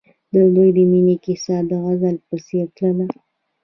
د دوی د مینې کیسه د غزل په څېر تلله.